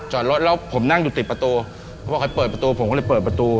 จอดรถแล้วผมนั่งอยู่ติดประตูเขาบอกให้เปิดประตูผมก็เลยเปิดประตู